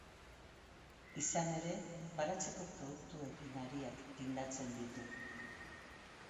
Izan ere, baratzeko produktuekin hariak tindatzen ditu.